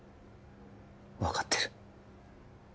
分かってる